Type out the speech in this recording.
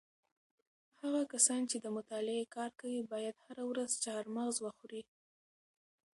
هغه کسان چې د مطالعې کار کوي باید هره ورځ چهارمغز وخوري.